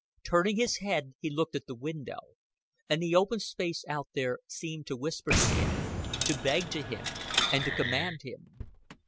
Turning his head, he looked at the window; and the open space out there seemed to whisper to him, to beg to him, and to command him.